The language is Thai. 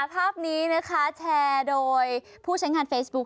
ภาพนี้นะคะแชร์โดยผู้ใช้งานเฟซบุ๊ค